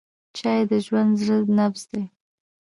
چای د ژوندي زړه نبض دی.